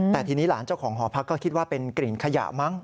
แต่ทีนี้หลานเจ้าของหอพักก็คิดว่าเป็นกลิ่นขยะมั้ง